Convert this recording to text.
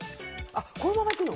このままいくの？